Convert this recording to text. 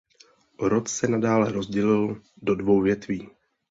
Rod se nadále rozdělil do dvou větví.